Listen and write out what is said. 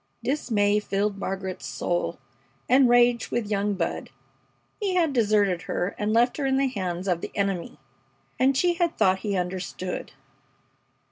Dismay filled Margaret's soul, and rage with young Bud. He had deserted her and left her in the hands of the enemy! And she had thought he understood!